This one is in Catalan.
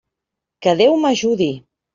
Que Déu m'ajudi!